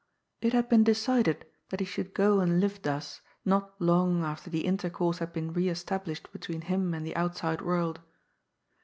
It had been decided that he should go and live thus not long after intercourse had been re established between him and the outside world.